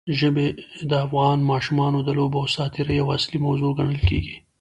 ژبې د افغان ماشومانو د لوبو او ساتېرۍ یوه اصلي موضوع ګڼل کېږي.